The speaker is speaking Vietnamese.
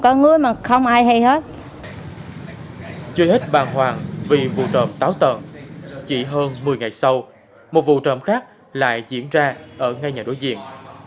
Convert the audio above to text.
chưa hết bàng hoàng vì vụ trộm táo tợn chỉ hơn một mươi ngày sau một vụ trộm khác lại diễn ra ở ngay nhà đối diện